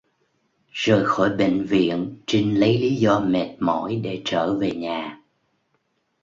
Rời khỏi bệnh viện trinh lấy lý do mệt mỏi để trở về nhà